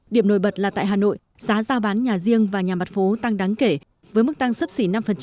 điểm nổi bật là tại hà nội giá giao bán nhà riêng và nhà mặt phố tăng đáng kể với mức tăng sấp xỉ năm